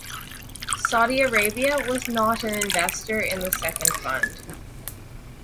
Saudi Arabia was not an investor in the second fund.